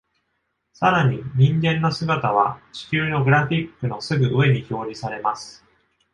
さらに、人間の姿は地球のグラフィックのすぐ上に表示されます。